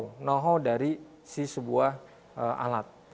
know how dari sebuah alat